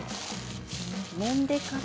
もんでから？